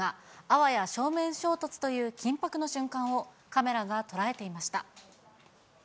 あわや正面衝突という緊迫の瞬間をカメラが捉えていました。